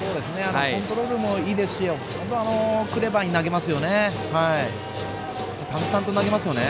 コントロールもいいですしクレバーに投げますよね。